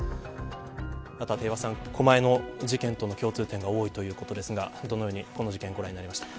立岩さん、狛江の事件との共通点が多いということですがどのようにこの事件ご覧なりましたか。